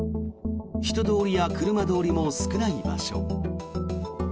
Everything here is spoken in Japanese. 人通りや車通りも少ない場所。